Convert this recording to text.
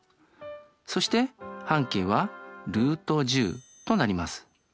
そして半径はルート１０となります。